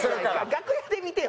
楽屋で見てよ。